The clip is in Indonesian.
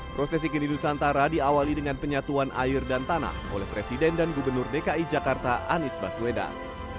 prosesi kendi nusantara diawali dengan penyatuan air dan tanah oleh presiden dan gubernur dki jakarta anies baswedan